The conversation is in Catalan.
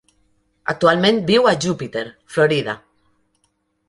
Actualment viu a Jupiter, Florida.